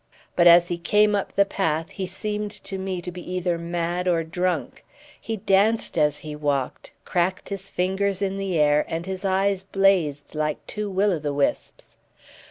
But as he came up the path he seemed to me to be either mad or drunk. He danced as he walked, cracked his fingers in the air, and his eyes blazed like two will o' the wisps.